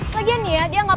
lagian nih ya dia gak pake